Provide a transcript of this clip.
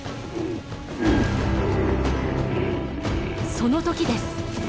その時です。